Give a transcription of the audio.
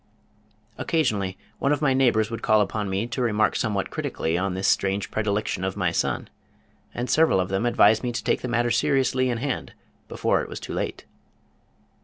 Occasionally one of my neighbors would call upon me to remark somewhat critically on this strange predilection of my son, and several of them advised me to take the matter seriously in hand before it was too late.